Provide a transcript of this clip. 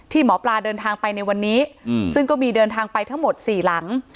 หมอปลาเดินทางไปในวันนี้ซึ่งก็มีเดินทางไปทั้งหมดสี่หลัง